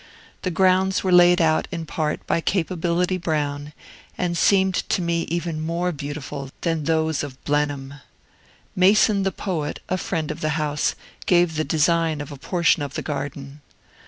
The grounds were laid out in part by Capability Brown, and seemed to me even more beautiful than those of Blenheim. Mason the poet, a friend of the house, gave the design of a portion of the garden.